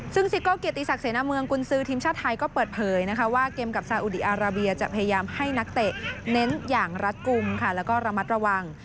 ซึ่งซิโก้เกียรติศักดิเสนาเมืองกุญซือทีมชาติไทยก็เปิดเผยนะคะว่าเกมกับซาอุดีอาราเบียจะพยายามให้นักเตะเน้นอย่างรัดกลุ่มค่ะแล้วก็ระมัดระวัง